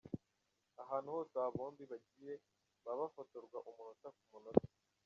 Ahantu hose aba bombi bagiye baba bafotorwa umunota ku munota.